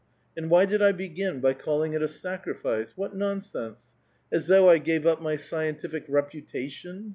And why did I begin by calling it a sacrifice? What non sense ! as though I gave up my scientific reputation